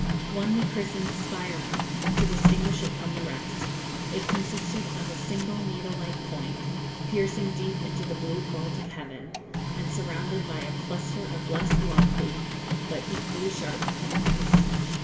One we christened Spire Mountain, to distinguish it from the rest; it consisted of a single needle like point, piercing deep into the blue vault of heaven, and surrounded by a cluster of less lofty but equally sharp pinnacles.